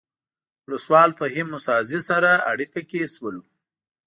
ولسوال فهیم موسی زی سره اړیکه کې شولو.